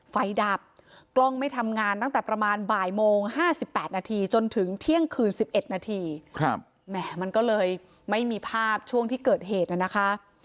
ดับกล้องไม่ทำงานตั้งแต่ประมาณบ่ายโมง๕๘นาทีจนถึงเที่ยงคืน๑๑นาทีแหมมันก็เลยไม่มีภาพช่วงที่เกิดเหตุน่ะนะคะ